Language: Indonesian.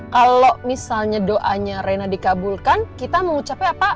kalo misalnya doanya reyna dikabulkan kita mau ucapnya apa